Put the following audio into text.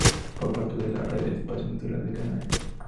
Forma parte de la Red de Espacios Naturales de Canarias.